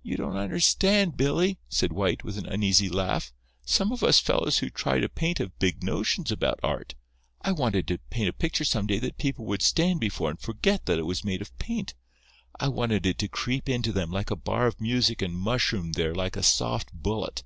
"You don't understand, Billy," said White, with an uneasy laugh. "Some of us fellows who try to paint have big notions about Art. I wanted to paint a picture some day that people would stand before and forget that it was made of paint. I wanted it to creep into them like a bar of music and mushroom there like a soft bullet.